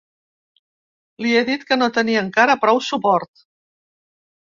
Li he dit que no tenia encara prou suport.